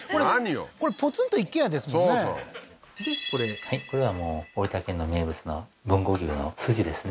これポツンと一軒家ですもそうそうこれはもう大分県の名物の豊後牛の筋ですね